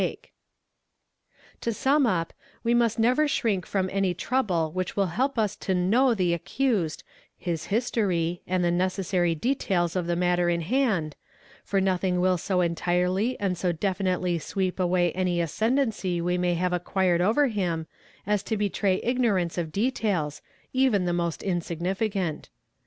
4 EXAMINATION OF ACCUSED 117 To sum up, we must never shrink from any trouble which will help us o know the accused, his history, and the necessary details of the matter in hand, for nothing will so entirely and so definitely sweep away any | ascendency we may have acquired over him as to betray ignorance of details, even the most insignificant.